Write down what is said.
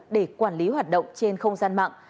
để quản lý hoạt động trên không gian mạng